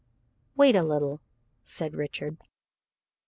"Wait a little," said Richard.